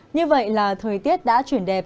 như vậy là thời tiết đã chuyển đẹp